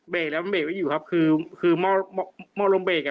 เบรกแล้วมันเบรกไว้อยู่ครับคือคือม่อม่อม่อลมเบรกอ่ะ